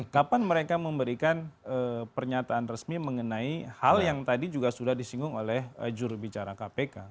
kapan mereka memberikan pernyataan resmi mengenai hal yang tadi juga sudah disinggung oleh jurubicara kpk